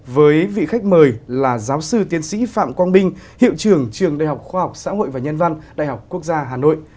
với vị khách mời là giáo sư tiến sĩ phạm quang minh hiệu trưởng trường đại học khoa học xã hội và nhân văn đại học quốc gia hà nội